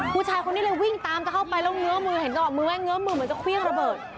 ผู้ชายคนนี้เลยวิ่งตามจะเข้าไปแล้วเงื้อมือเห็นจังหวะมือแม่เงื้อมือเหมือนจะเครื่องระเบิด